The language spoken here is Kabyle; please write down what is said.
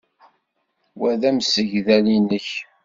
Wa d amsegdal-nnek?